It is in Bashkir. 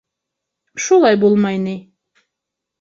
— Шулай булмай ни.